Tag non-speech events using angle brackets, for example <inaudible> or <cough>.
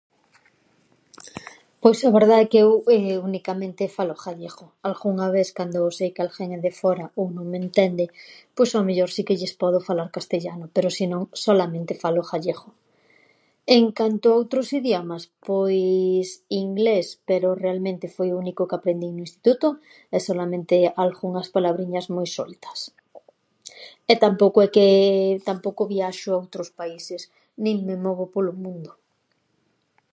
Pois a verdá é que eu <hesitation> unicamente falo ghallegho, alghunha ves cando sei que alghén ven de fóra ou non me entende, pois ao mellor si que lles podo falar castellano, pero si non solamente falo ghallegho. En canto a outros idiomas, pois inglés, pero realmente foi o único que aprendín no instituto e solamente alghunhas palabriñas moi soltas e tampouco é que, tampouco viaxo a outros países nin me movo polo mundo.